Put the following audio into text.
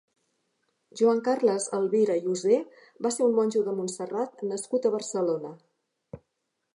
Joan Carles Elvira i Husé va ser un monjo de Montserrat nascut a Barcelona.